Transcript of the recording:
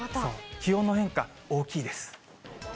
気温の変化大きいです。